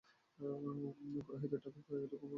পুরোহিত ঠাকুর এইরূপ অনর্গল বকিয়া গেলেন।